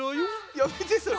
やめてそれ。